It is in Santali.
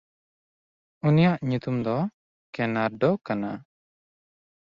ᱩᱱᱤᱭᱟᱜ ᱧᱩᱛᱩᱢ ᱫᱚ ᱠᱮᱱᱟᱨᱰᱚ ᱠᱟᱱᱟ᱾